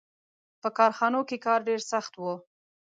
• په کارخانو کې کار ډېر سخت و.